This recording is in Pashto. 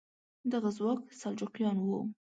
دغه ځواک سلجوقیان وو.